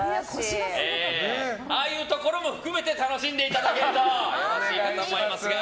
ああいうところも含めて楽しんでいただけるといいかと思いますが。